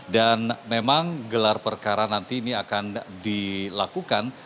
dan memang gelar perkara nanti ini akan dilakukan